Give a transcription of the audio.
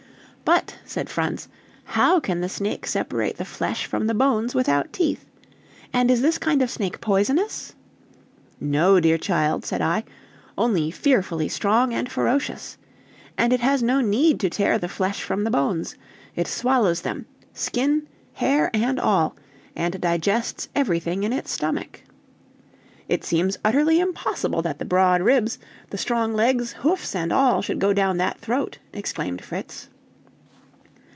"But," said Franz, "how can the snake separate the flesh from the bones without teeth? And is this kind of snake poisonous?" "No, dear child," said I, "only fearfully strong and ferocious. And it has no need to tear the flesh from the bones. It swallows them, skin, hair, and all, and digests everything in its stomach." "It seems utterly impossible that the broad ribs, the strong legs, hoofs, and all, should go down that throat," exclaimed Fritz.